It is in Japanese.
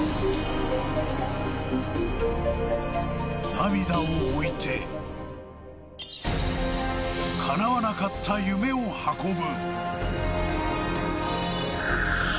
涙をおいて、かなわなかった夢を運ぶ。